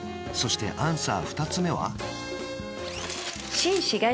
そしてアンサー２つ目は？